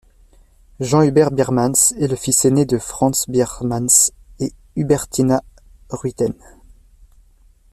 Jean Hubert Biermans est le fils aîné de Frans Biermans et d'Hubertina Ruyten.